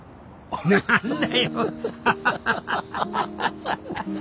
何だよ。